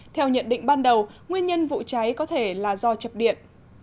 theo nhận định ban đầu nguyên nhân vụ cháy có thể là do chập điện